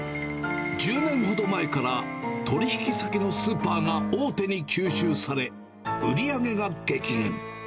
１０年ほど前から、取り引き先のスーパーが大手に吸収され、売り上げが激減。